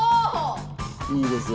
いいですよ。